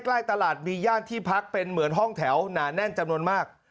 ใกล้ตลาดมีย่านที่พักเป็นเหมือนห้องแถวหนาแน่นจำนวนมาก